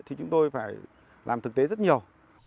thì chúng tôi phải làm thực tế rất nhiều